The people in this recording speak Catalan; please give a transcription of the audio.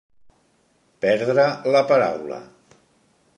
Perdre la paraula.